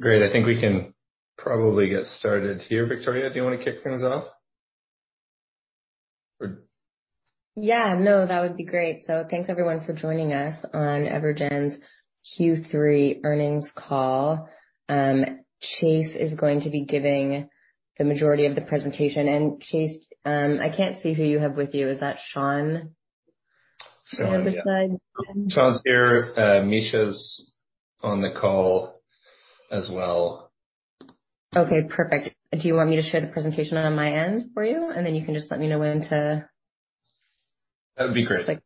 Great. I think we can probably get started here. Victoria, do you want to kick things off? Yeah, no, that would be great. Thanks everyone for joining us on EverGen's Q3 earnings call. Chase is going to be giving the majority of the presentation. Chase, I can't see who you have with you. Is that Sean on the side? Sean's here. Mischa's on the call as well. Okay perfect. Do you want me to share the presentation on my end for you? You can just let me know when to. That would be great. Okay,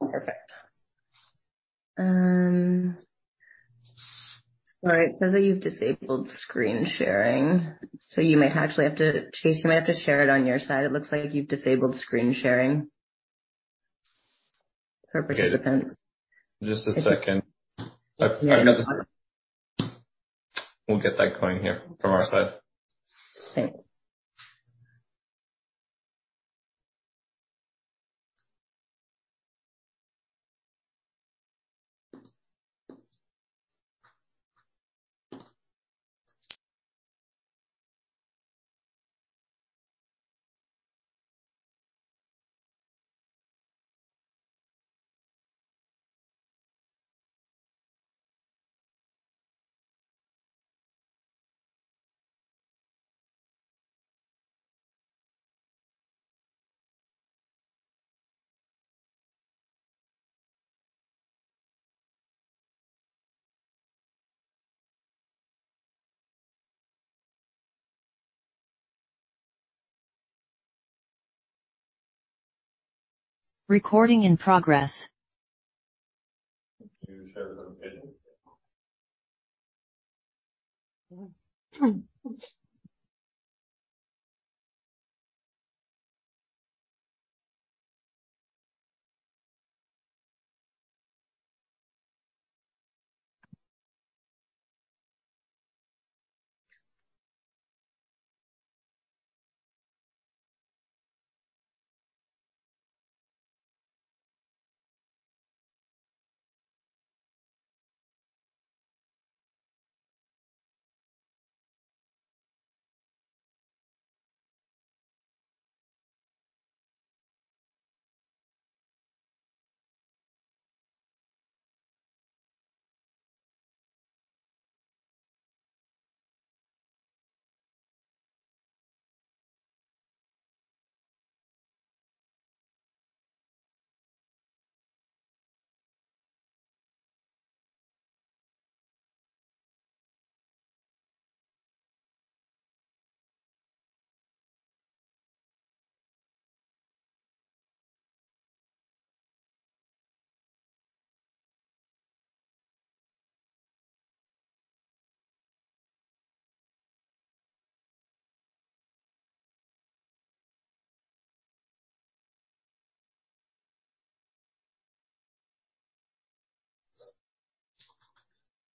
perfect. All right. It says that you've disabled screen sharing, so you may actually have to Chase, you might have to share it on your side. It looks like you've disabled screen sharing. Perfect. It depends. Just a second. I know. We'll get that going here from our side. Okay. Recording in progress.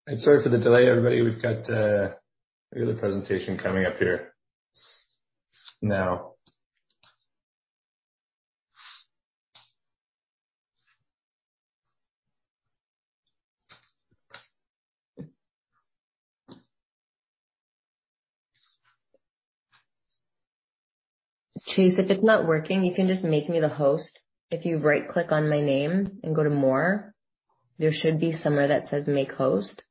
Can you share the presentation? Yeah. Sorry for the delay, everybody. We have the presentation coming up here now. Chase, if it's not working, you can just make me the host. If you right-click on my name and go to More, there should be somewhere that says Make Host.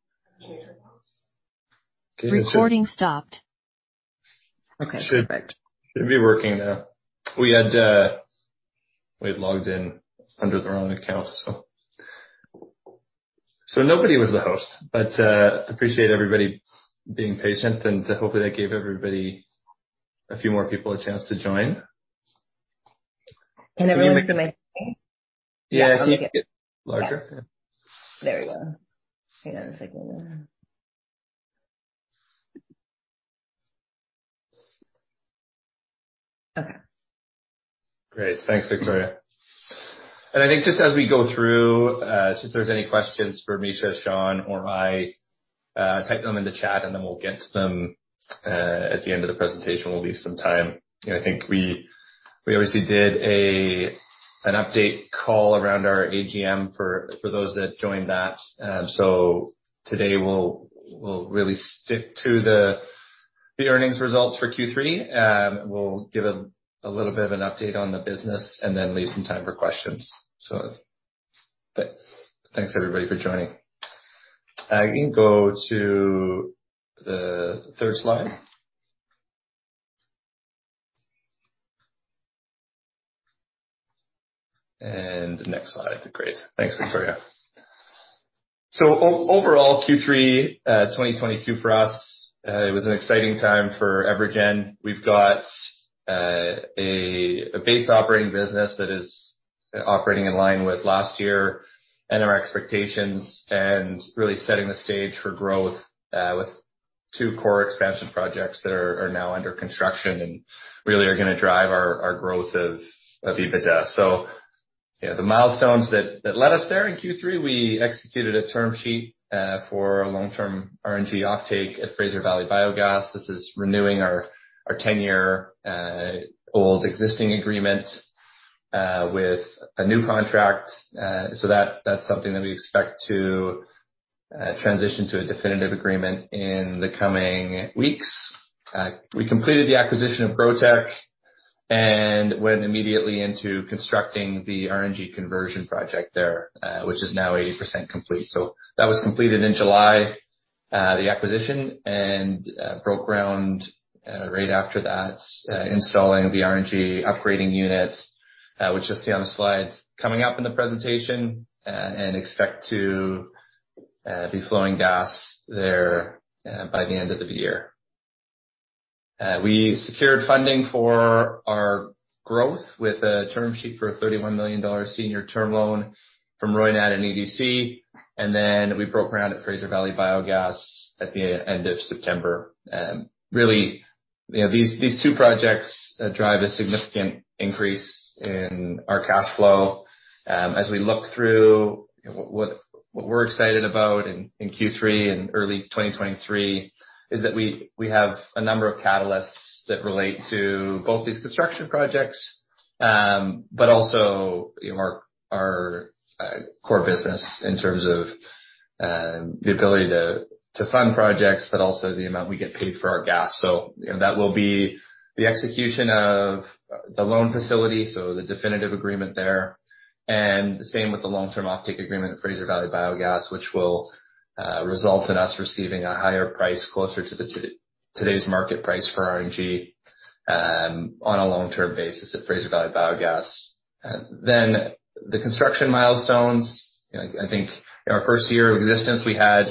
Recording stopped. Okay, perfect. Should be working now. We had logged in under the wrong account, so. Nobody was the host. Appreciate everybody being patient, and hopefully that gave everybody, a few more people a chance to join. Can everyone see my screen? Yeah, if you could get larger. There we go. Hang on a second. Okay. Great. Thanks, Victoria. I think just as we go through, if there's any questions for Mischa, Sean or I, type them in the chat and then we'll get to them at the end of the presentation. We'll leave some time. You know, I think we obviously did an update call around our AGM for those that joined that. Today we'll really stick to the earnings results for Q3, and we'll give a little bit of an update on the business and then leave some time for questions. Thanks. Thanks everybody for joining. I can go to the third slide. Next slide. Great. Thanks, Victoria. Overall Q3 2022 for us, it was an exciting time for EverGen. We've got a base operating business that is operating in line with last year and our expectations and really setting the stage for growth with two core expansion projects that are now under construction and really are gonna drive our growth of EBITDA. You know, the milestones that led us there. In Q3, we executed a term sheet for a long-term RNG offtake at Fraser Valley Biogas. This is renewing our 10-year-old existing agreement. With a new contract. So that's something that we expect to transition to a definitive agreement in the coming weeks. We completed the acquisition of GrowTEC and went immediately into constructing the RNG conversion project there, which is now 80% complete. That was completed in July, the acquisition and broke ground right after that, installing the RNG upgrading units, which you'll see on the slides coming up in the presentation and expect to be flowing gas there by the end of the year. We secured funding for our growth with a term sheet for a 31 million dollar senior term loan from Roynat and EDC. Then we broke ground at Fraser Valley Biogas at the end of September. Really, you know, these two projects drive a significant increase in our cash flow. As we look through what we're excited about in Q3 and early 2023 is that we have a number of catalysts that relate to both these construction projects, but also, you know, our core business in terms of the ability to fund projects, but also the amount we get paid for our gas. You know, that will be the execution of the loan facility, so the definitive agreement there. The same with the long-term offtake agreement at Fraser Valley Biogas, which will result in us receiving a higher price closer to today's market price for RNG, on a long-term basis at Fraser Valley Biogas. The construction milestones. You know, I think in our first year of existence we had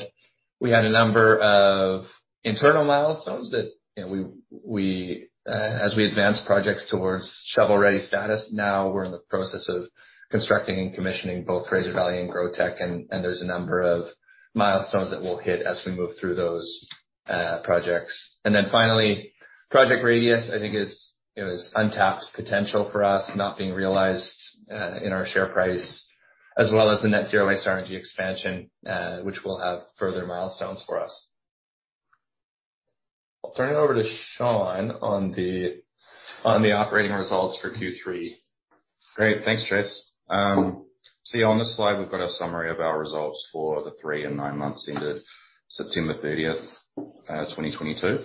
a number of internal milestones that, you know, we, as we advance projects towards shovel-ready status, now we're in the process of constructing and commissioning both Fraser Valley and GrowTEC, and there's a number of milestones that we'll hit as we move through those projects. Finally, Project Radius, I think is, you know, is untapped potential for us, not being realized in our share price, as well as the Net Zero Waste RNG expansion, which will have further milestones for us. I'll turn it over to Sean on the, on the operating results for Q3. Great. Thanks, Chase. Yeah, on this slide, we've got a summary of our results for the three and nine months ended September thirtieth, 2022,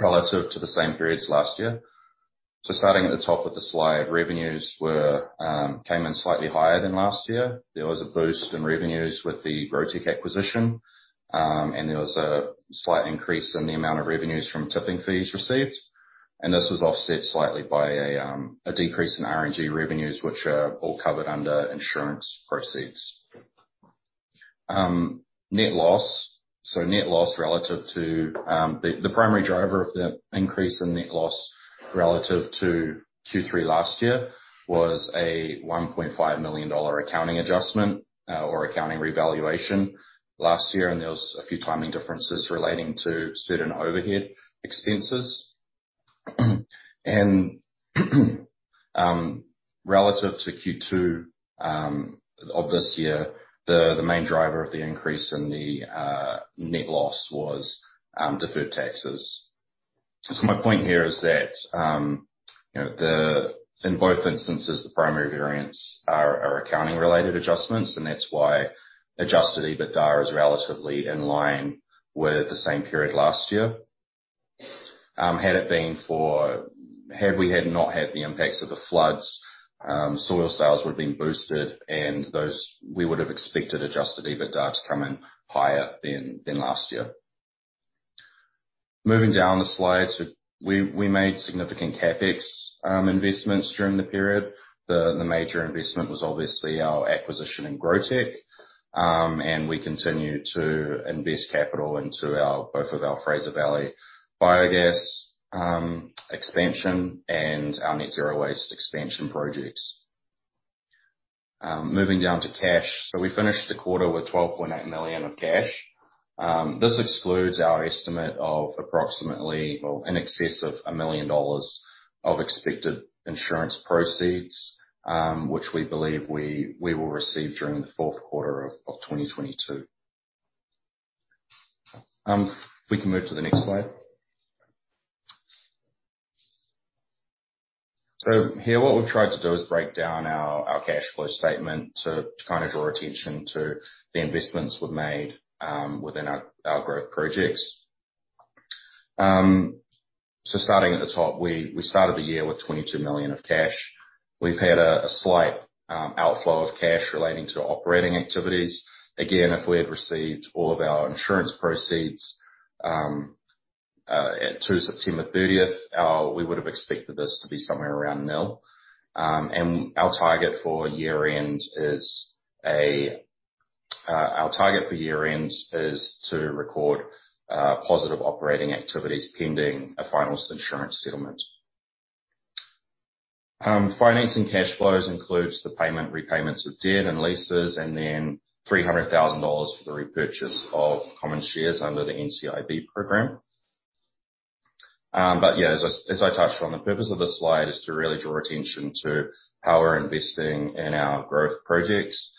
relative to the same periods last year. Starting at the top of the slide, revenues came in slightly higher than last year. There was a boost in revenues with the GrowTEC acquisition. There was a slight increase in the amount of revenues from tipping fees received. This was offset slightly by a decrease in RNG revenues, which are all covered under insurance proceeds. Net loss. Net loss relative to the primary driver of the increase in net loss relative to Q3 last year was a $1.5 million accounting adjustment or accounting revaluation last year. There was a few timing differences relating to certain overhead expenses. Relative to Q2 of this year, the main driver of the increase in the net loss was deferred taxes. My point here is that, you know, in both instances, the primary variants are accounting related adjustments, and that's why adjusted EBITDA is relatively in line with the same period last year. Had we not had the impacts of the floods, soil sales would have been boosted and those we would have expected adjusted EBITDA to come in higher than last year. Moving down the slide, we made significant CapEx investments during the period. The major investment was obviously our acquisition in GrowTEC. We continue to invest capital into our, both of our Fraser Valley Biogas expansion and our Net Zero Waste expansion projects. Moving down to cash. We finished the quarter with 12.8 million of cash. This excludes our estimate of approximately or in excess of 1 million dollars of expected insurance proceeds, which we believe we will receive during the fourth quarter of 2022. If we can move to the next slide. Here what we've tried to do is break down our cash flow statement to kind of draw attention to the investments we've made within our growth projects. Starting at the top, we started the year with 22 million of cash. We've had a slight outflow of cash relating to operating activities. Again, if we had received all of our insurance proceeds through September 30th, we would have expected this to be somewhere around nil. Our target for year-end is to record positive operating activities pending a final insurance settlement. Financing cash flows includes the payment, repayments of debt and leases, and then $300,000 for the repurchase of common shares under the NCIB program. Yeah, as I touched on, the purpose of this slide is to really draw attention to how we're investing in our growth projects?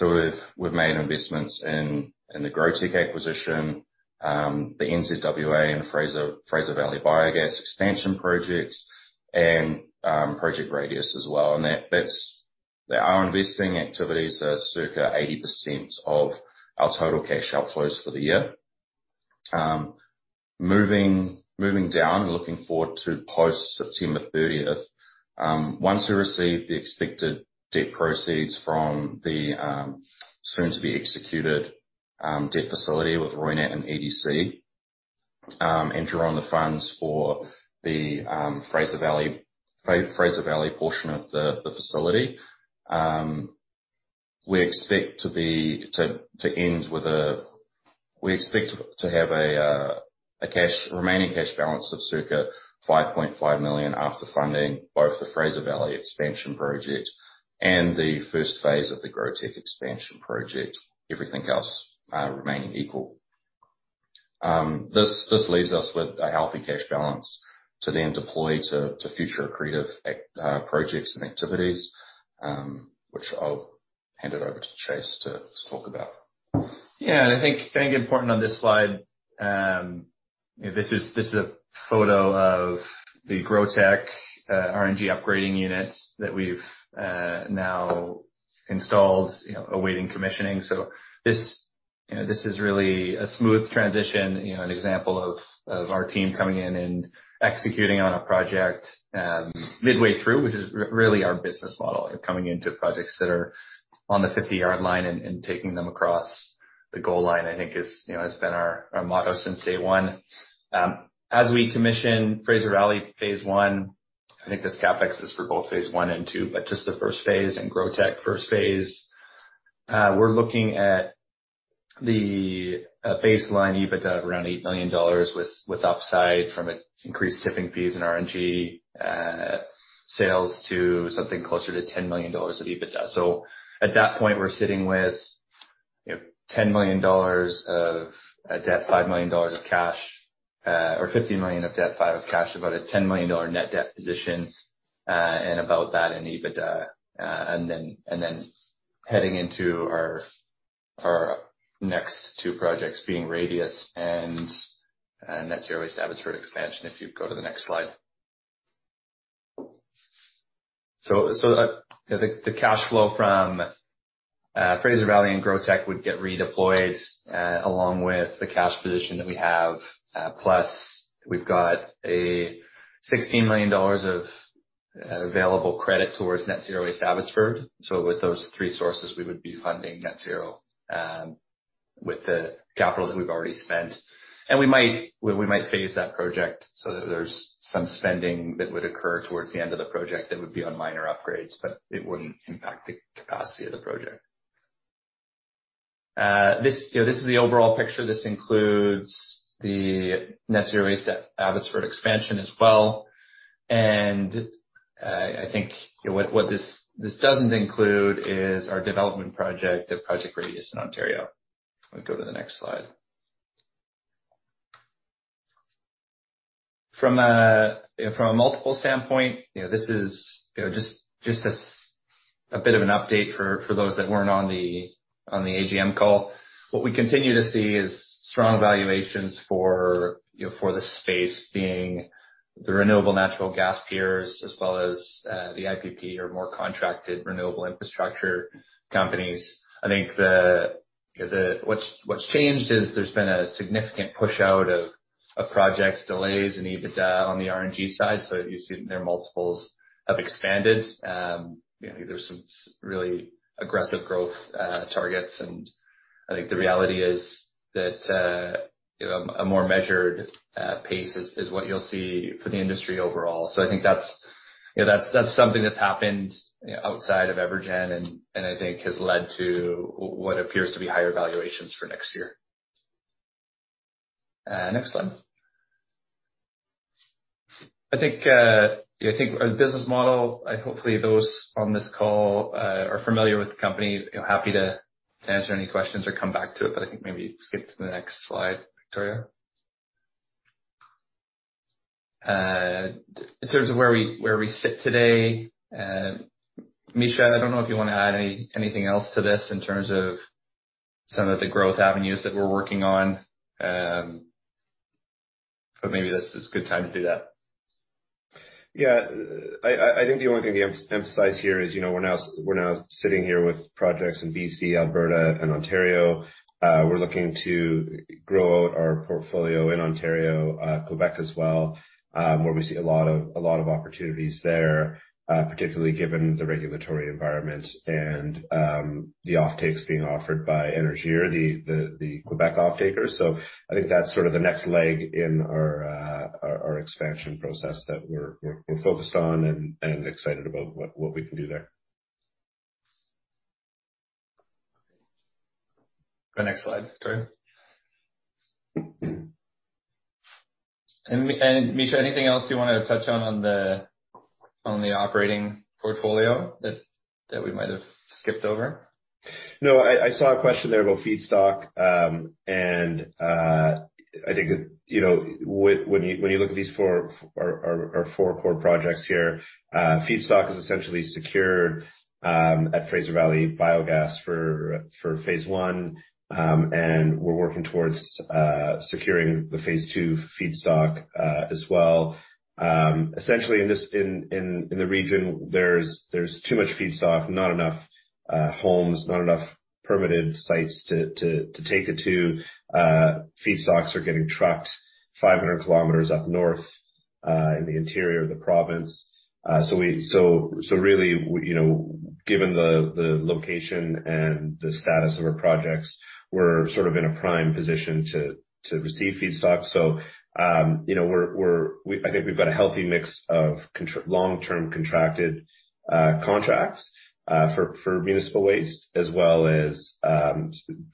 We've made investments in the GrowTEC acquisition. The NZWA and Fraser Valley Biogas expansion projects and Project Radius as well. That's Our investing activities are circa 80% of our total cash outflows for the year. Moving down and looking forward to post-September 30th. Once we receive the expected debt proceeds from the soon to be executed debt facility with Roynat and EDC, and draw on the funds for the Fraser Valley portion of the facility, We expect to have a remaining cash balance of circa 5.5 million after funding both the Fraser Valley expansion project and the first phase of the GrowTEC expansion project, everything else remaining equal. This leaves us with a healthy cash balance to then deploy to future accretive projects and activities, which I'll hand it over to Chase to talk about. Yeah. I think important on this slide, this is a photo of the GrowTEC RNG upgrading units that we've now installed, you know, awaiting commissioning. This, you know, this is really a smooth transition, you know, an example of our team coming in and executing on a project midway through, which is really our business model. You know, coming into projects that are on the 50-yard line and taking them across the goal line, I think is, you know, has been our motto since day one. As we commission Fraser Valley phase I, I think this CapEx is for both phase I and II, but just the first phase, and GrowTEC first phase, we're looking at the baseline EBITDA of around 8 million dollars with upside from increased tipping fees and RNG sales to something closer to 10 million dollars of EBITDA. At that point, we're sitting with, you know, 10 million dollars of debt, 5 million dollars of cash, or 15 million of debt, 5 of cash, about a 10 million dollar net debt position, and about that in EBITDA. Heading into our next two projects being Radius and Net Zero Waste Abbotsford expansion. If you go to the next slide. You know, the cash flow from Fraser Valley and GrowTEC would get redeployed along with the cash position that we have. Plus we've got 16 million dollars of available credit towards Net Zero Waste Abbotsford. With those three sources, we would be funding Net Zero, with the capital that we've already spent. We might phase that project so that there's some spending that would occur towards the end of the project that would be on minor upgrades, but it wouldn't impact the capacity of the project. You know, this is the overall picture. This includes the Net Zero Waste Abbotsford expansion as well. I think, you know, this doesn't include is our development project at Project Radius in Ontario. We go to the next slide. From a multiple standpoint, you know, this is, you know, just as a bit of an update for those that weren't on the AGM call. What we continue to see is strong valuations for, you know, for the space being the renewable natural gas peers as well as the IPP or more contracted renewable infrastructure companies. I think, you know, what's changed is there's been a significant push out of projects, delays and EBITDA on the RNG side. You've seen their multiples have expanded. you know, there's some really aggressive growth targets. I think the reality is that, you know, a more measured pace is what you'll see for the industry overall. I think that's, you know, that's something that's happened, you know, outside of EverGen, and I think has led to what appears to be higher valuations for next year. Next slide. I think, you know, I think our business model, hopefully those on this call, are familiar with the company. You know, happy to answer any questions or come back to it, but I think maybe skip to the next slide, Victoria. In terms of where we, where we sit today, Mischa, I don't know if you wanna add anything else to this in terms of some of the growth avenues that we're working on. But maybe this is a good time to do that. Yeah. I think the only thing to emphasize here is, you know, we're now sitting here with projects in BC, Alberta, and Ontario. We're looking to grow our portfolio in Ontario, Quebec as well, where we see a lot of opportunities there, particularly given the regulatory environment and the offtakes being offered by Énergir, the Quebec offtaker. I think that's sort of the next leg in our expansion process that we're focused on and excited about what we can do there. Go next slide, Victoria. Mischa, anything else you wanna touch on the operating portfolio that we might have skipped over? I saw a question there about feedstock. I think that, you know, when you look at these four our four core projects here, feedstock is essentially secured at Fraser Valley Biogas for phase I. We're working towards securing the phase II feedstock as well. Essentially in the region, there's too much feedstock, not enough homes, not enough permitted sites to take it to. Feedstocks are getting trucked 500 km up north in the interior of the province. So really, you know, given the location and the status of our projects, we're sort of in a prime position to receive feedstock. You know, I think we've got a healthy mix of long-term contracted contracts for municipal waste, as well as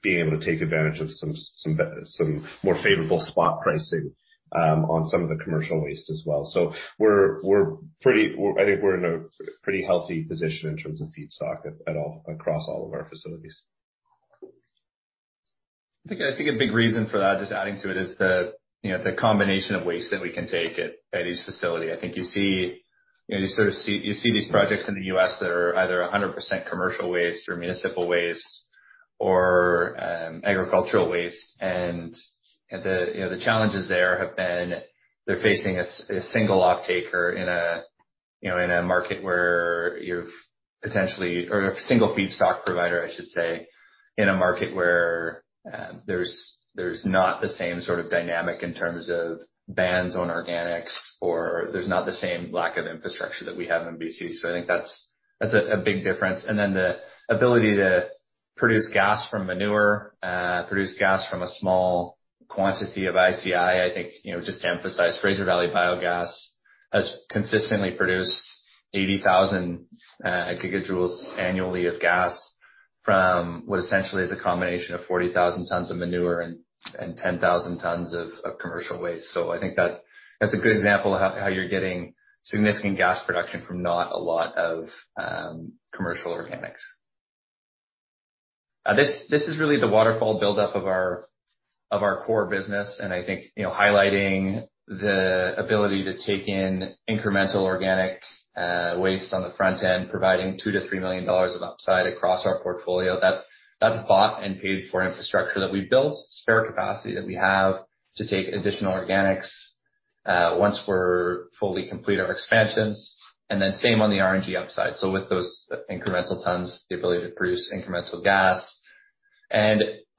being able to take advantage of some more favorable spot pricing on some of the commercial waste as well. We're pretty. I think we're in a pretty healthy position in terms of feedstock at all, across all of our facilities. I think a big reason for that, just adding to it, is the, you know, the combination of waste that we can take at each facility. I think you see, you know, you sort of see, these projects in the U.S. that are either 100% commercial waste or municipal waste or agricultural waste. The, you know, the challenges there have been they're facing a single offtaker. Or a single feedstock provider, I should say, in a market where there's not the same sort of dynamic in terms of bans on organics or there's not the same lack of infrastructure that we have in BC. I think that's a big difference. The ability to produce gas from manure, produce gas from a small quantity of ICI. I think, you know, just to emphasize, Fraser Valley Biogas has consistently produced 80,000 gigajoules annually of gas from what essentially is a combination of 40,000 tons of manure and 10,000 tons of commercial waste. I think that is a good example of how you're getting significant gas production from not a lot of commercial organics? This is really the waterfall buildup of our core business, and I think, you know, highlighting the ability to take in incremental organic waste on the front end, providing 2 million-3 million dollars of upside across our portfolio. That's bought and paid for infrastructure that we built, spare capacity that we have to take additional organics once we're fully complete our expansions. Same on the RNG upside. With those incremental tons, the ability to produce incremental gas.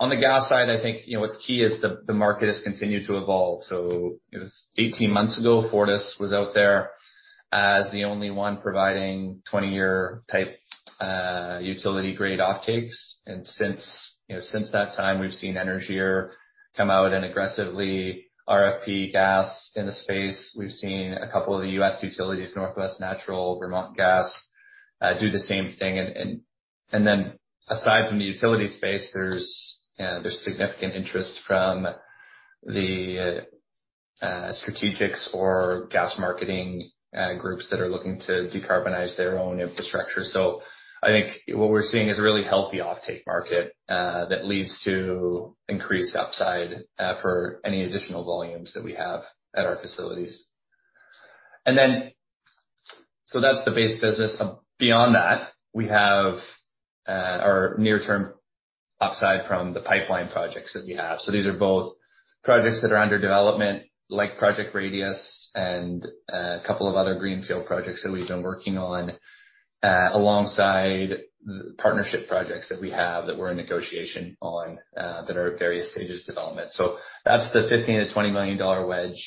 On the gas side, I think, you know, what's key is the market has continued to evolve. 18 months ago, Fortis was out there as the only one providing 20-year type utility-grade offtakes. Since, you know, since that time, we've seen Énergir come out and aggressively RFP gas in the space. We've seen a couple of the U.S. utilities, NW Natural, Vermont Gas, do the same thing. Then aside from the utility space, there's significant interest from the strategics or gas marketing groups that are looking to decarbonize their own infrastructure. I think what we're seeing is a really healthy offtake market that leads to increased upside for any additional volumes that we have at our facilities. That's the base business. Beyond that, we have our near-term upside from the pipeline projects that we have. These are both projects that are under development, like Project Radius and a couple of other greenfield projects that we've been working on alongside partnership projects that we have that we're in negotiation on that are at various stages of development. That's the 15 million-20 million dollar wedge,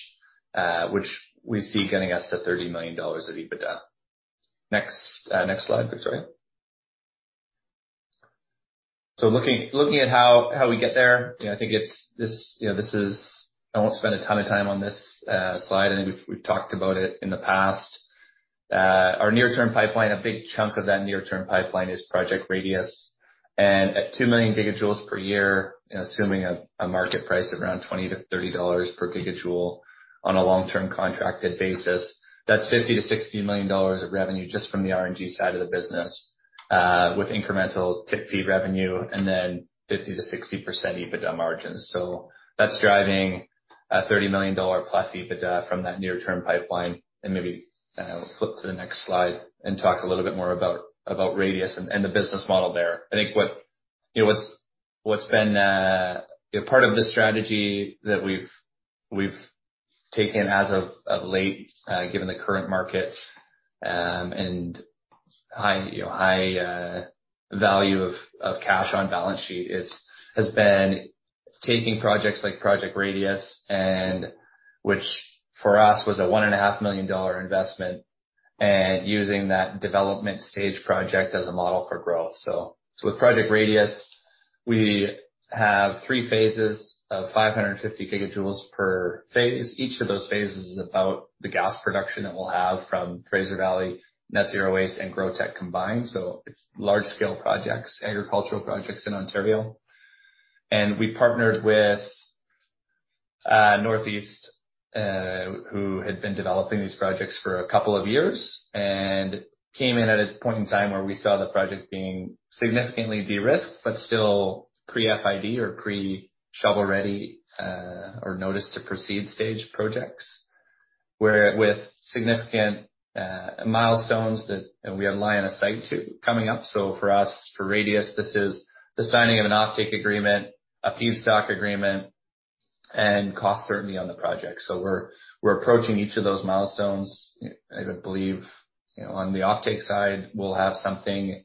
which we see getting us to 30 million dollars of EBITDA. Next, next slide, Victoria. Looking at how we get there? You know, I think it's this, you know, this is. I won't spend a ton of time on this slide. I think we've talked about it in the past. Our near-term pipeline, a big chunk of that near-term pipeline is Project Radius. At 2 million gigajoules per year, assuming a market price around 20-30 dollars per gigajoule on a long-term contracted basis, that's 50 million-60 million dollars of revenue just from the RNG side of the business, with incremental tip fee revenue and then 50%-60% EBITDA margins. That's driving a 30 million dollar+ EBITDA from that near-term pipeline. Maybe we'll flip to the next slide and talk a little bit more about Radius and the business model there. I think what, you know, what's been, you know, part of the strategy that we've taken as of late, given the current market, and high, you know, high value of cash on balance sheet has been taking projects like Project Radius, which for us was a one and a half million dollar investment, and using that development stage project as a model for growth. With Project Radius, we have three phases of 550 GJ per phase. Each of those phases is about the gas production that we'll have from Fraser Valley, Net Zero Waste and GrowTEC combined. It's large scale projects, agricultural projects in Ontario. We partnered with Northeast, who had been developing these projects for a couple of years and came in at a point in time where we saw the project being significantly de-risked but still pre-FID or pre-shovel ready, or notice to proceed stage projects where with significant milestones that we have line of sight to coming up. For us, for Radius, this is the signing of an offtake agreement, a feedstock agreement, and cost certainty on the project. We're approaching each of those milestones. I believe, you know, on the offtake side, we'll have something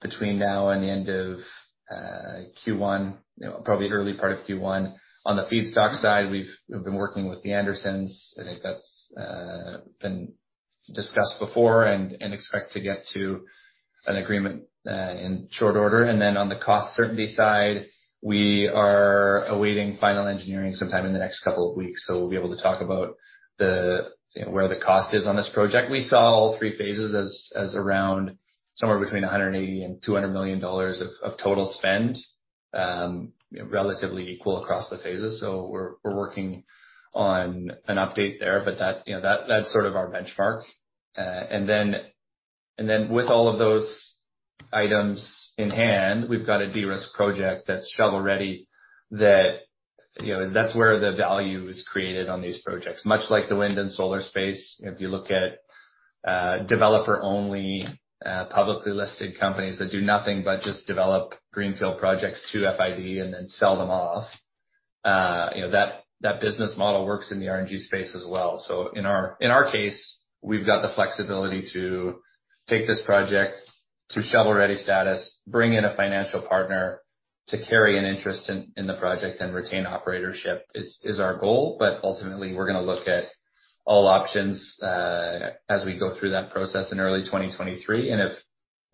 between now and the end of Q1, you know, probably early part of Q1. On the feedstock side, we've been working with The Andersons. I think that's been discussed before and expect to get to an agreement in short order. On the cost certainty side, we are awaiting final engineering sometime in the next couple of weeks, so we'll be able to talk about the, you know, where the cost is on this project. We saw all three phases as around somewhere between 180 million and 200 million dollars of total spend, you know, relatively equal across the phases. We're working on an update there, but that, you know, that's sort of our benchmark. With all of those items in hand, we've got a de-risk project that's shovel-ready that, you know, that's where the value is created on these projects. Much like the wind and solar space, if you look at, developer-only, publicly listed companies that do nothing but just develop greenfield projects to FID and then sell them off, you know, that business model works in the RNG space as well. In our case, we've got the flexibility to take this project to shovel-ready status, bring in a financial partner to carry an interest in the project and retain operatorship is our goal. Ultimately, we're gonna look at all options, as we go through that process in early 2023.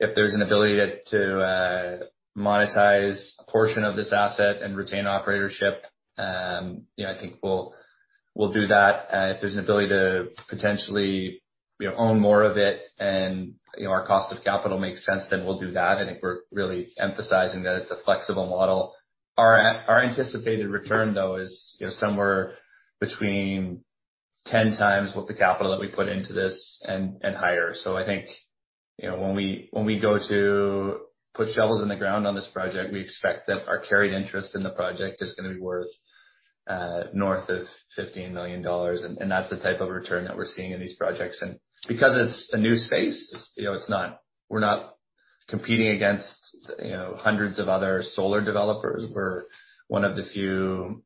If there's an ability to monetize a portion of this asset and retain operatorship, you know, I think we'll do that. If there's an ability to potentially, you know, own more of it and, you know, our cost of capital makes sense, then we'll do that. I think we're really emphasizing that it's a flexible model. Our anticipated return, though, is, you know, somewhere between 10x what the capital that we put into this and higher. I think, you know, when we, when we go to put shovels in the ground on this project, we expect that our carried interest in the project is gonna be worth north of 15 million dollars. That's the type of return that we're seeing in these projects. Because it's a new space, you know, we're not competing against, you know, hundreds of other solar developers. We're one of the few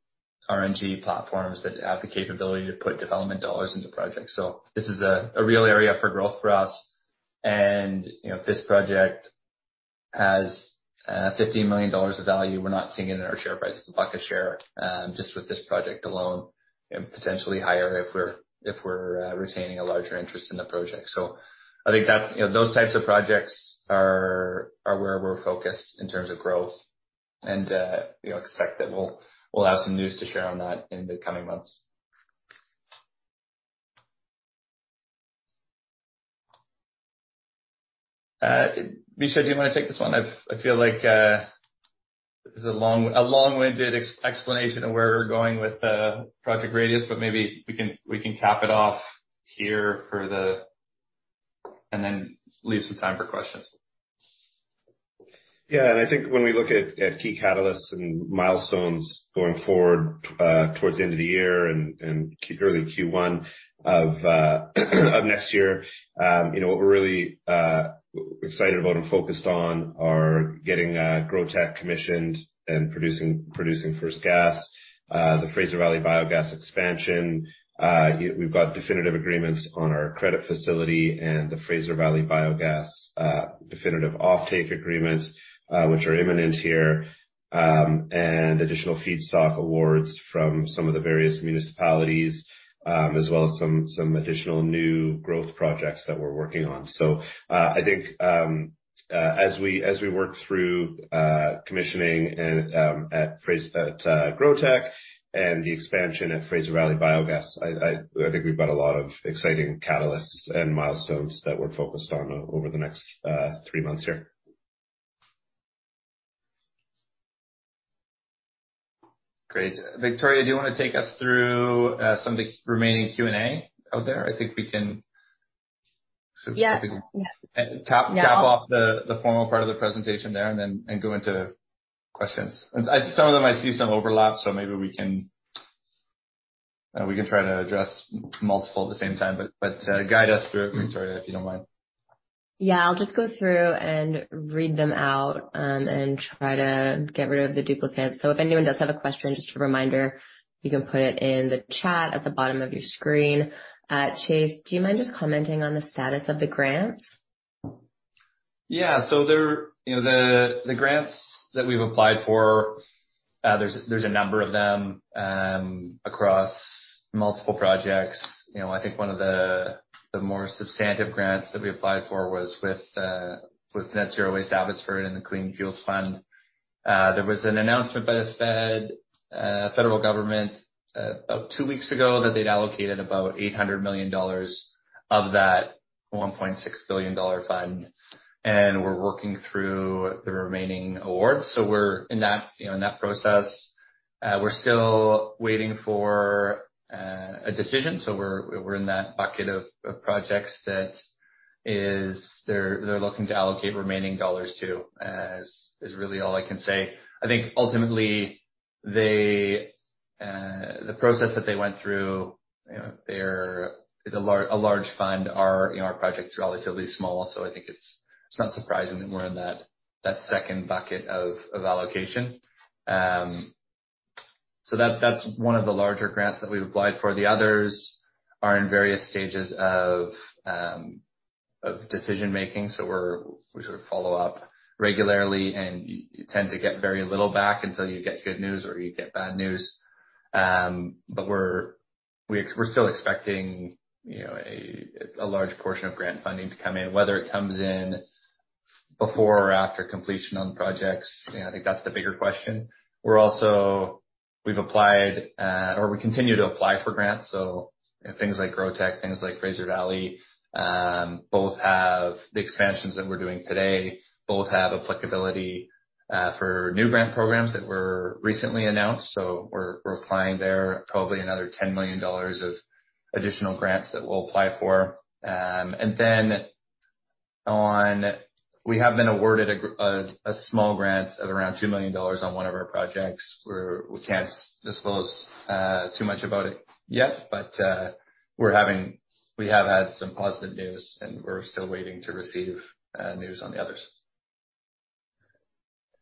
RNG platforms that have the capability to put development dollars into projects. This is a real area for growth for us. You know, if this project has 15 million dollars of value, we're not seeing it in our share price. It's a bucket share, just with this project alone and potentially higher if we're retaining a larger interest in the project. I think that, you know, those types of projects are where we're focused in terms of growth. We expect that we'll have some news to share on that in the coming months. Mischa, do you want to take this one? I feel like this is a long-winded explanation of where we're going with Project Radius, but maybe we can cap it off here for the... and then leave some time for questions. Yeah. I think when we look at key catalysts and milestones going forward, towards the end of the year and early Q1 of next year, you know, what we're really excited about and focused on are getting GrowTEC commissioned and producing first gas. The Fraser Valley Biogas expansion. We've got definitive agreements on our credit facility and the Fraser Valley Biogas definitive offtake agreement, which are imminent here, and additional feedstock awards from some of the various municipalities, as well as some additional new growth projects that we're working on. I think, as we work through commissioning and, at GrowTEC and the expansion at Fraser Valley Biogas, I think we've got a lot of exciting catalysts and milestones that we're focused on over the next three months here. Great. Victoria, do you wanna take us through some of the remaining Q&A out there? Yeah. Yeah. Cap off the formal part of the presentation there and then go into questions. Some of them I see some overlap, so maybe we can try to address multiple at the same time. Guide us through it, Victoria, if you don't mind. Yeah. I'll just go through and read them out, and try to get rid of the duplicates. If anyone does have a question, just a reminder, you can put it in the chat at the bottom of your screen. Chase, do you mind just commenting on the status of the grants? Yeah. They're, you know, the grants that we've applied for, there's a number of them across multiple projects. You know, I think one of the more substantive grants that we applied for was with Net Zero Waste Abbotsford and the Clean Fuels Fund. There was an announcement by the federal government about two weeks ago that they'd allocated about 800 million dollars of that 1.6 billion dollar fund, and we're working through the remaining awards. We're in that, you know, in that process. We're still waiting for a decision, we're in that bucket of projects that they're looking to allocate remaining dollars to, is really all I can say. I think ultimately they, the process that they went through, you know, it's a large fund. Our, you know, our project's relatively small. I think it's not surprising that we're in that second bucket of allocation. That's one of the larger grants that we've applied for. The others are in various stages of decision-making. We sort of follow up regularly, and you tend to get very little back until you get good news or you get bad news. We're still expecting, you know, a large portion of grant funding to come in, whether it comes in before or after completion on the projects. You know, I think that's the bigger question. We've applied or we continue to apply for grants. Things like GrowTEC, things like Fraser Valley, both have the expansions that we're doing today, both have applicability for new grant programs that were recently announced. We're applying there, probably another 10 million dollars of additional grants that we'll apply for. Then we have been awarded a small grant of around 2 million dollars on one of our projects where we can't disclose too much about it yet, but we have had some positive news and we're still waiting to receive news on the others.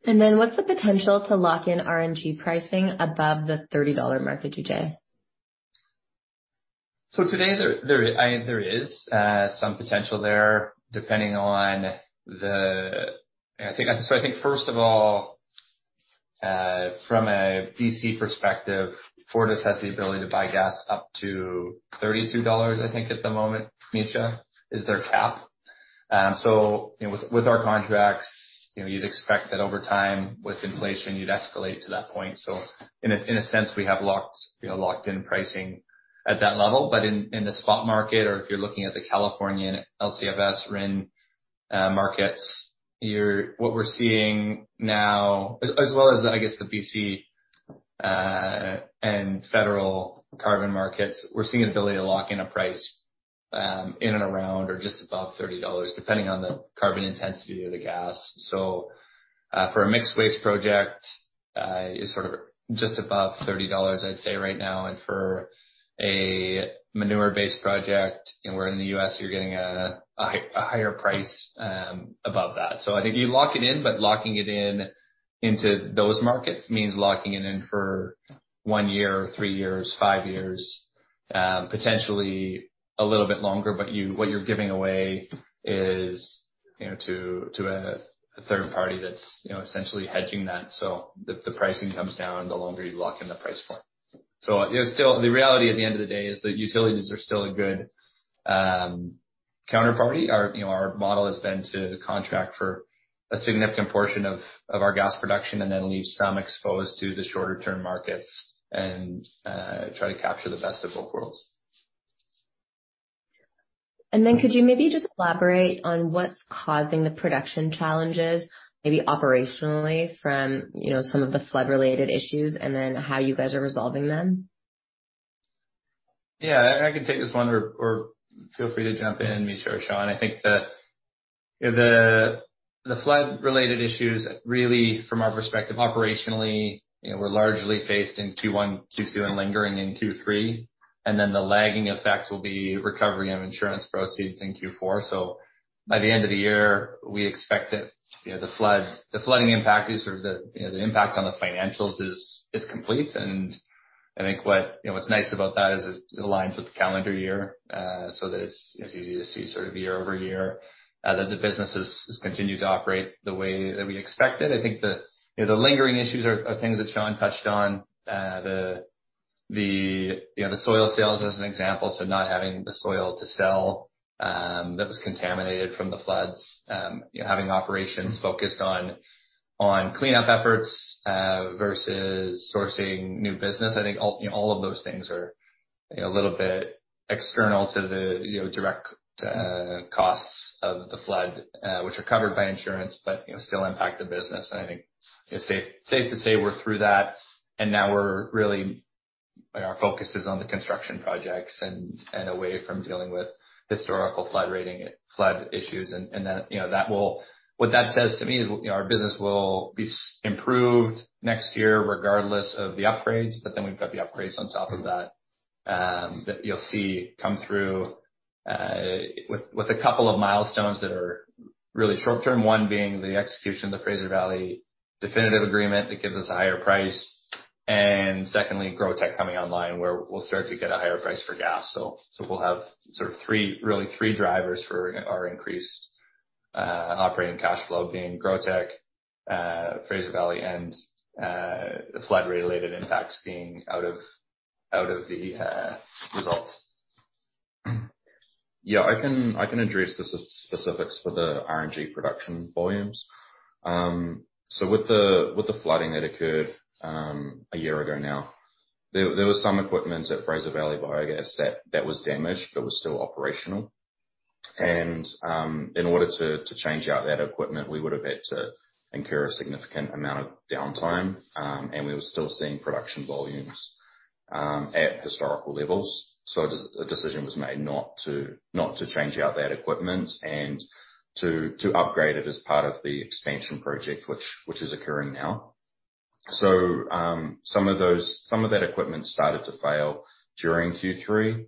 What's the potential to lock in RNG pricing above the 30 dollar market, GJ? Today there is some potential there, depending on the. I think first of all, from a D.C. perspective, Fortis has the ability to buy gas up to 32 dollars, I think, at the moment, Mischa, is their cap. You know, with our contracts, you know, you'd expect that over time with inflation, you'd escalate to that point. In a sense, we have locked in pricing at that level. In the spot market or if you're looking at the California LCFS RIN markets, what we're seeing now as well as, I guess, the BC and federal carbon markets, we're seeing an ability to lock in a price in and around or just above 30 dollars, depending on the carbon intensity of the gas. For a mixed waste project, it's sort of just above 30 dollars, I'd say right now. For a manure-based project, you know, we're in the U.S., you're getting a higher price above that. I think you lock it in, but locking it in into those markets means locking it in for one year, three years, five years, potentially a little bit longer. What you're giving away is, you know, to a third party that's, you know, essentially hedging that. The pricing comes down the longer you lock in the price for. Yeah, still, the reality at the end of the day is that utilities are still a good counterparty. Our, you know, our model has been to contract for a significant portion of our gas production and then leave some exposed to the shorter-term markets and try to capture the best of both worlds. Could you maybe just elaborate on what's causing the production challenges, maybe operationally from, you know, some of the flood-related issues, and then how you guys are resolving them? Yeah. I can take this one or feel free to jump in, Mischa or Sean. I think the flood-related issues, really from our perspective, operationally, you know, were largely faced in Q1, Q2, and lingering in Q3. The lagging effect will be recovery of insurance proceeds in Q4. By the end of the year, we expect that, you know, the flooding impact is sort of the, you know, the impact on the financials is complete. I think what, you know, what's nice about that is it aligns with the calendar year, so that it's easy to see sort of year-over-year that the business has continued to operate the way that we expected. I think the, you know, the lingering issues are things that Sean touched on. The, you know, the soil sales as an example, so not having the soil to sell, that was contaminated from the floods. You know, having operations focused on cleanup efforts, versus sourcing new business. I think all, you know, all of those things are, you know, a little bit external to the, you know, direct costs of the flood, which are covered by insurance but, you know, still impact the business. I think it's safe to say we're through that and now our focus is on the construction projects and away from dealing with historical flood rating, flood issues. That, you know, what that says to me is, you know, our business will be improved next year regardless of the upgrades. We've got the upgrades on top of that that you'll see come through with a couple of milestones that are really short-term. One being the execution of the Fraser Valley definitive agreement that gives us a higher price. Secondly, GrowTEC coming online, where we'll start to get a higher price for gas. We'll have sort of three, really three drivers for our increased operating cash flow being GrowTEC, Fraser Valley, and the flood-related impacts being out of the results. Yeah. I can address the specifics for the RNG production volumes. With the flooding that occurred, 1 year ago now. There was some equipment at Fraser Valley Biogas that was damaged but was still operational. In order to change out that equipment, we would have had to incur a significant amount of downtime, and we were still seeing production volumes at historical levels. A decision was made not to change out that equipment and to upgrade it as part of the expansion project which is occurring now. Some of that equipment started to fail during Q3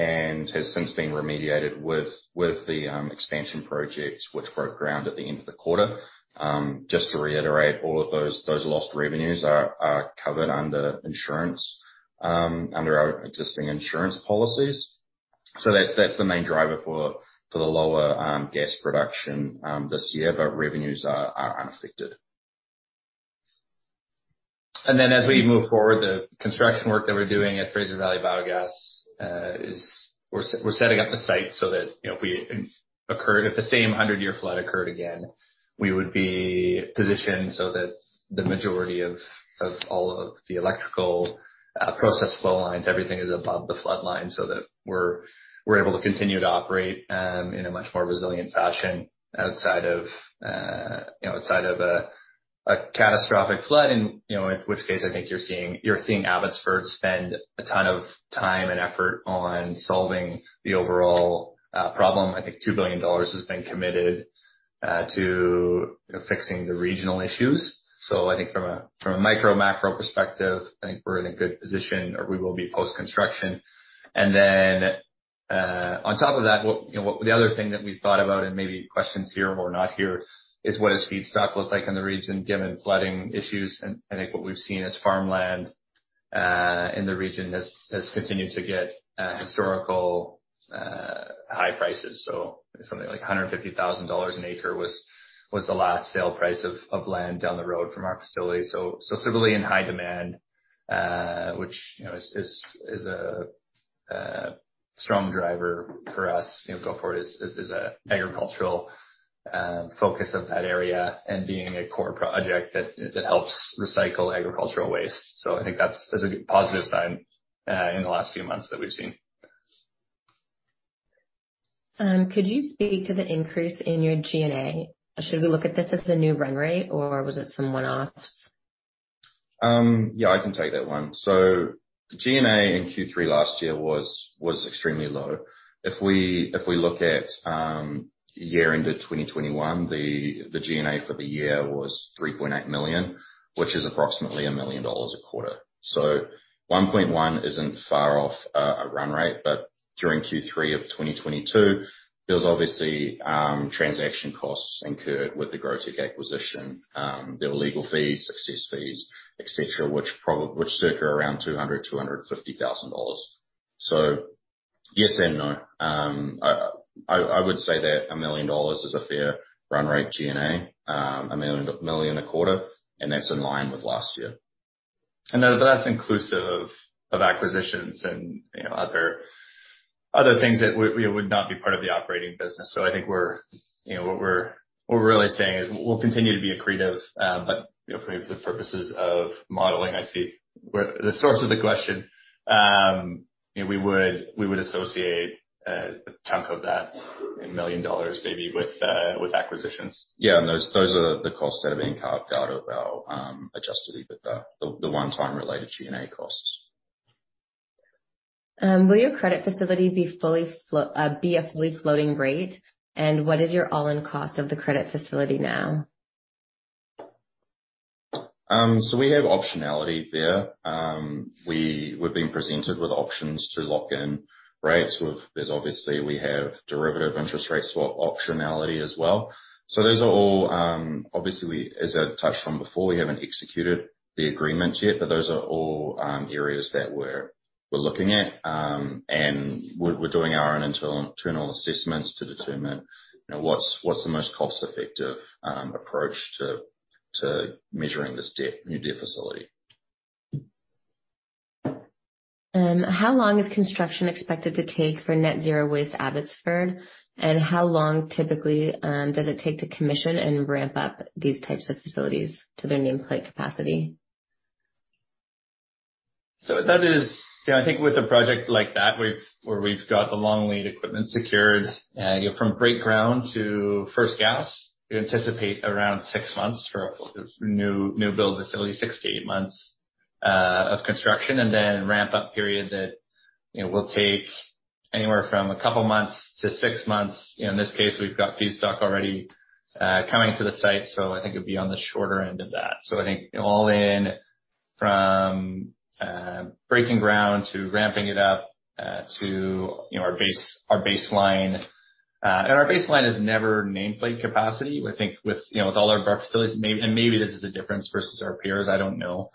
and has since been remediated with the expansion project, which broke ground at the end of the quarter. Just to reiterate, all of those lost revenues are covered under insurance under our existing insurance policies. That's the main driver for the lower, gas production, this year. Revenues are unaffected. Then as we move forward, the construction work that we're doing at Fraser Valley Biogas is we're setting up the site so that, you know, if the same 100-year flood occurred again, we would be positioned so that the majority of all of the electrical, process flow lines, everything is above the flood line so that we're able to continue to operate in a much more resilient fashion outside of, you know, outside of a catastrophic flood. You know, in which case I think you're seeing Abbotsford spend a ton of time and effort on solving the overall problem. I think 2 billion dollars has been committed to, you know, fixing the regional issues. I think from a micro, macro perspective, I think we're in a good position or we will be post-construction. On top of that, what, you know, the other thing that we thought about and maybe questions here or not here is what does feedstock look like in the region given flooding issues? I think what we've seen is farmland in the region has continued to get historical high prices. Something like 150,000 dollars an acre was the last sale price of land down the road from our facility. Certainly in high demand, which, you know, is a strong driver for us. You know, go forward is a agricultural focus of that area and being a core project that helps recycle agricultural waste. I think that's a positive sign, in the last few months that we've seen. Could you speak to the increase in your G&A? Should we look at this as the new run rate or was it some one-offs? I can take that one. G&A in Q3 last year was extremely low. If we look at year ended 2021, the G&A for the year was 3.8 million, which is approximately 1 million dollars a quarter. 1.1 million isn't far off a run rate. During Q3 of 2022, there was obviously transaction costs incurred with the GrowTEC acquisition. There were legal fees, success fees, et cetera, which circle around 200,000-250,000 dollars. Yes and no. I would say that 1 million dollars is a fair run rate G&A, 1 million a quarter, and that's in line with last year. That's inclusive of acquisitions and, you know, other things that would not be part of the operating business. I think we're, you know, what we're really saying is we'll continue to be accretive. But, you know, for the purposes of modeling, I see where the source of the question. You know, we would associate a chunk of that in million dollars maybe with acquisitions. Yeah. Those are the costs that are being carved out of our adjusted EBITDA, the one-time related G&A costs. Will your credit facility be a fully floating rate? What is your all-in cost of the credit facility now? We have optionality there. We're being presented with options to lock in rates with. There's obviously we have derivative interest rate swap optionality as well. Those are all. As I touched on before, we haven't executed the agreements yet, but those are all areas that we're looking at. We're doing our own internal assessments to determine, you know, what's the most cost-effective approach to measuring this debt, new debt facility. How long is construction expected to take for Net Zero Waste Abbotsford? How long typically does it take to commission and ramp up these types of facilities to their nameplate capacity? That is. You know, I think with a project like that, where we've got the long lead equipment secured, you know, from break ground to first gas, we anticipate around six months for a new build facility. Six-eight months of construction, and then ramp up period that, you know, will take anywhere from a couple months to six months. You know, in this case, we've got feedstock already coming to the site, so I think it'd be on the shorter end of that. I think all in from breaking ground to ramping it up to, you know, our baseline. Our baseline is never nameplate capacity. I think with, you know, with all of our facilities, and maybe this is a difference versus our peers, I don't know.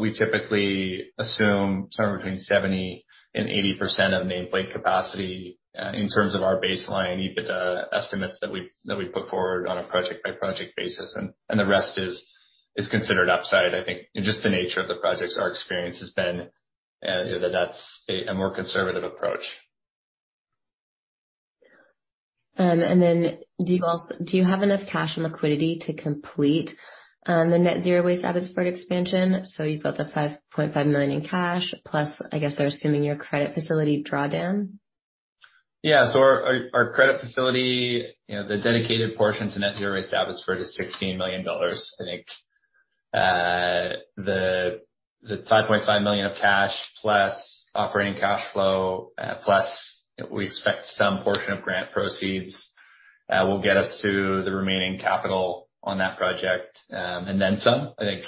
We typically assume somewhere between 70% and 80% of nameplate capacity in terms of our baseline EBITDA estimates that we put forward on a project-by-project basis. The rest is considered upside. I think in just the nature of the projects, our experience has been, you know, that that's a more conservative approach. Do you have enough cash and liquidity to complete the Net Zero Waste Abbotsford expansion? You've got the 5.5 million in cash, plus I guess they're assuming your credit facility drawdown. Yeah. Our credit facility, you know, the dedicated portion to Net Zero Waste Abbotsford is 16 million dollars. I think, the 5.5 million of cash plus operating cash flow, plus we expect some portion of grant proceeds, will get us to the remaining capital on that project, and then some. I think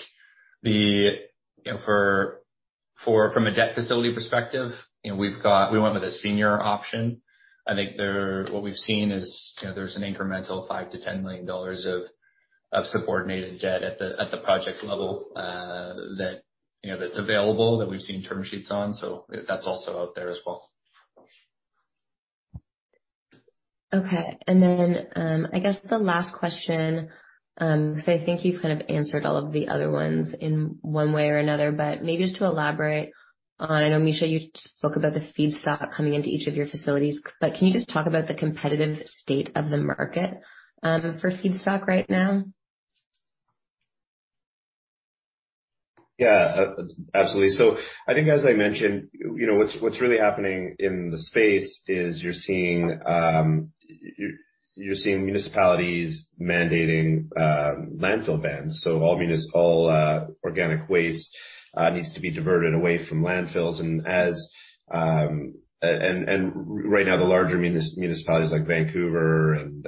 the, you know, for from a debt facility perspective, you know, we went with a senior option. What we've seen is, you know, there's an incremental 5 million-10 million dollars of subordinated debt at the project level, that, you know, that's available that we've seen term sheets on, that's also out there as well. Okay. Then, I guess the last question, 'cause I think you kind of answered all of the other ones in one way or another, but maybe just to elaborate on, I know Mischa, you spoke about the feedstock coming into each of your facilities, but can you just talk about the competitive state of the market, for feedstock right now? Yeah, absolutely. I think as I mentioned, you know, what's really happening in the space is you're seeing municipalities mandating landfill bans. All organic waste needs to be diverted away from landfills. Right now, the larger municipalities like Vancouver and,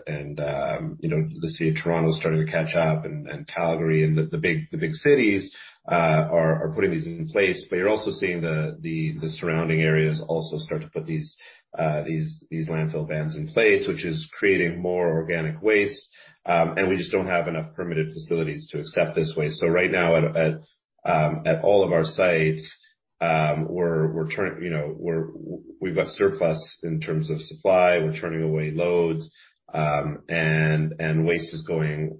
you know, the City of Toronto is starting to catch up and Calgary and the big cities are putting these in place. You're also seeing the surrounding areas also start to put these landfill bans in place, which is creating more organic waste. We just don't have enough permitted facilities to accept this waste. Right now at all of our sites, we've got surplus in terms of supply. We're turning away loads, and waste is going,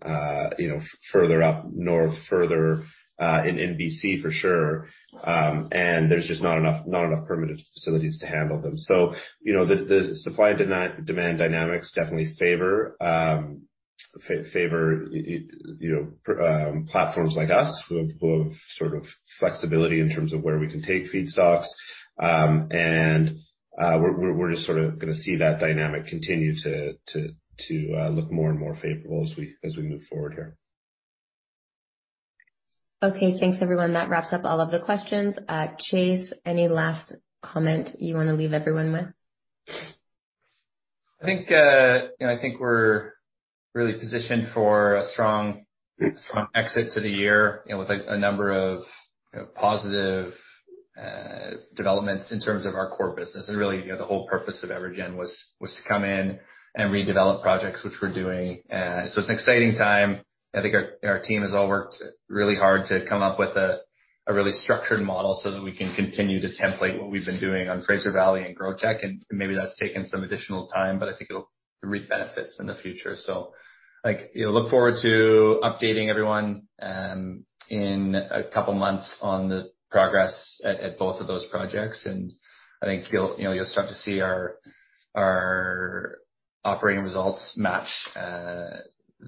you know, further up north, further in BC for sure. There's just not enough permitted facilities to handle them. You know, the supply and demand dynamics definitely favor, you know, platforms like us who have sort of flexibility in terms of where we can take feedstocks. We're just sort of gonna see that dynamic continue to look more and more favorable as we move forward here. Okay, thanks everyone. That wraps up all of the questions. Chase, any last comment you wanna leave everyone with? I think, you know, I think we're really positioned for a strong exit to the year, you know, with a number of, you know, positive developments in terms of our core business. Really, you know, the whole purpose of EverGen was to come in and redevelop projects, which we're doing. It's an exciting time. I think our team has all worked really hard to come up with a really structured model so that we can continue to template what we've been doing on Fraser Valley and GrowTEC. Maybe that's taken some additional time, but I think it'll reap benefits in the future. Like, you know, look forward to updating everyone in a couple of months on the progress at both of those projects. I think you'll, you know, you'll start to see our operating results match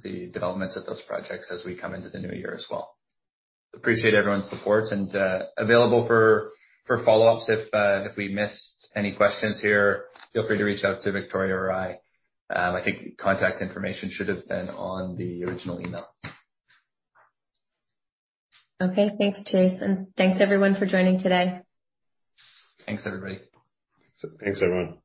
the developments of those projects as we come into the new year as well. Appreciate everyone's support and available for follow-ups if we missed any questions here. Feel free to reach out to Victoria or I. I think contact information should have been on the original email. Okay. Thanks, Chase, and thanks everyone for joining today. Thanks, everybody. Thanks, everyone.